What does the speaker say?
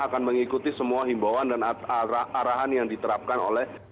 akan mengikuti semua himbauan dan arahan yang diterapkan oleh